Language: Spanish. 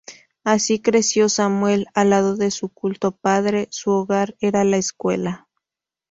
Así creció Samuel, al lado de su culto padre, su hogar era la escuela.